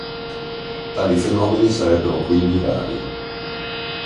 Tali fenomeni sarebbero quindi rari.